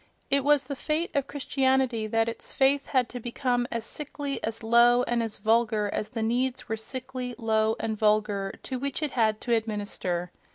It was the fate of Christianity that its faith had to become as sickly, as low and as vulgar as the needs were sickly, low and vulgar to which it had to administer.